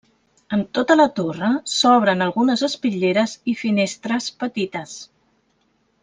En tota la torre s'obren algunes espitlleres i finestres petites.